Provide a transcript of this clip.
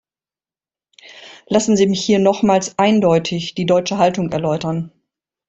Lassen Sie mich hier nochmals eindeutig die deutsche Haltung erläutern.